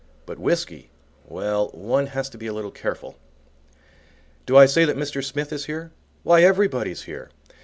But, whiskey, well, one has to be a little careful. Do I say that Mr. Smith is here? Why, everybody's here.